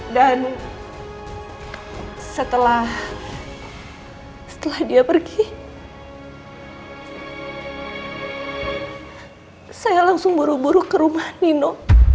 dan setelah dia pergi saya langsung buru buru ke rumah nino